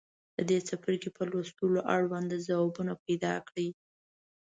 د دې څپرکي په لوستلو اړونده ځوابونه پیداکړئ.